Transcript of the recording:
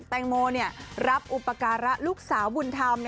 แตงโมรับอุปการะลูกสาวบุญธรรม